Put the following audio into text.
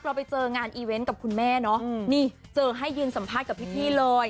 เราไปเจองานอีเวนต์กับคุณแม่เนอะนี่เจอให้ยืนสัมภาษณ์กับพี่เลย